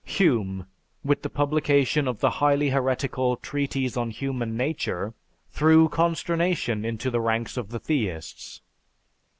Hume, with the publication of the highly heretical "Treatise on Human Nature," threw consternation into the ranks of the theists.